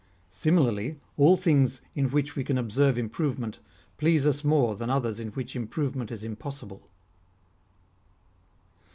Similarly, all things in which we can observe improvement please us more than others in which improvement is impossible.